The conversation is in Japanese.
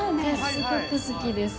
すごく好きです。